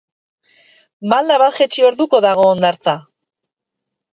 Malda bat jaitsi orduko dago hondartza.